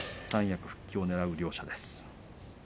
三役復帰をねらう両者です。